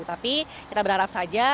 tapi kita berharap saja